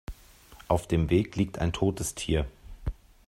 Auf dem Weg liegt ein totes Tier.